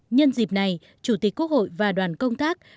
nhân dịp này chủ tịch quốc hội và đoàn công tác đã được đồng ý